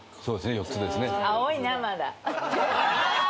４つですね。